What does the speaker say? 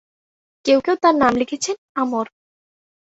কেউ কেউ তাঁর নাম লিখেছেন আমর।